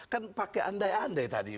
kan pakai andai andai tadi